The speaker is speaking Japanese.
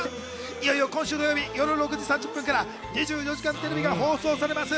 今週土曜日、夜６時３０分から『２４時間テレビ』が放送されます。